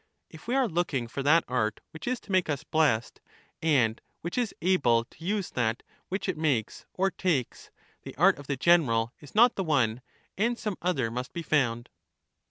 If we are looking for that art which is to make us blessed, and which is able to use that which it makes or takes, the art of the general is not the one, and some other must be found.